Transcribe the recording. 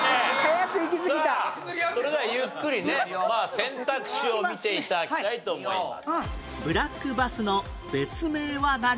それではゆっくりね選択肢を見て頂きたいと思います。